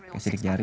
kayak sidik jari